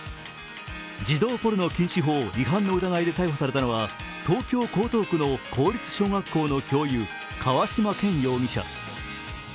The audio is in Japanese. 児童ポルノ禁止法違反の疑いで逮捕されたのは東京・江東区の公立小学校の教諭河嶌健容疑者。